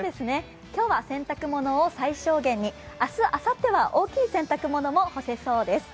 今日は洗濯物を最小限に、明日、あさっては大きい洗濯物も干せそうです。